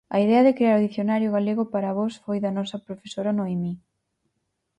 A idea de crear o Dicionario galego para avós foi da nosa profesora Noemí.